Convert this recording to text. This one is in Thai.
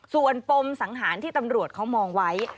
ส่วนปมสังหารที่ตำรวจเขามองไว้